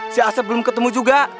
si asep belum ketemu juga